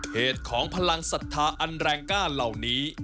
เหตุของพลังศรัทธาอันแรงกล้าเหล่านี้